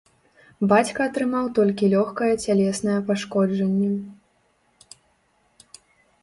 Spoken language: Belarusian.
Бацька атрымаў толькі лёгкае цялеснае пашкоджанне.